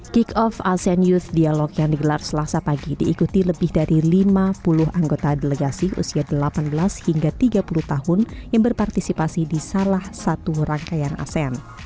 kick off asean youth dialog yang digelar selasa pagi diikuti lebih dari lima puluh anggota delegasi usia delapan belas hingga tiga puluh tahun yang berpartisipasi di salah satu rangkaian asean